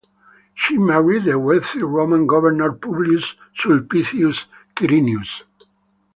She married the wealthy Roman Governor Publius Sulpicius Quirinius.